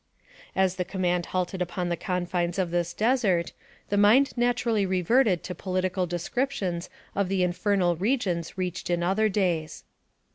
As the command halted upon the confines of this desert, the mind naturally reverted to political descrip tions of the infernal regions reached in other days.